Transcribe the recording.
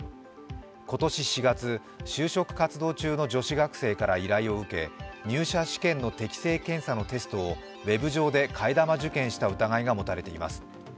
今年４月、就職活動中の女子学生から依頼を受け入社試験の適性検査のテストをウェブ上で替え玉受験した疑いが持たれています。